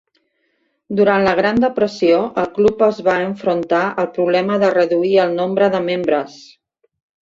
Durant la Gran Depressió, el club es va enfrontar al problema de reduir el nombre de membres.